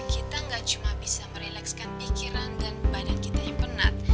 kita gak cuma bisa merelekskan pikiran dan badan kita yang penat